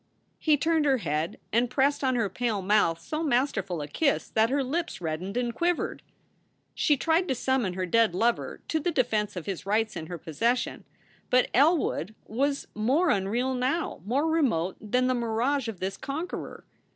He turned her head and pressed on her pale mouth so master ful a kiss that her lips reddened and quivered. She tried to summon her dead lover to the defense of his rights in her possession, but Elwood was more unreal now, more remote, than the mirage of this conqueror.